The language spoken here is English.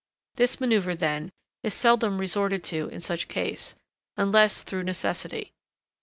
This manoeuvre, then, is seldom resorted to in such case, unless through necessity.